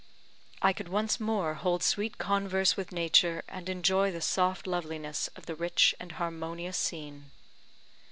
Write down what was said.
I could once more hold sweet converse with nature, and enjoy the soft loveliness of the rich and harmonious scene.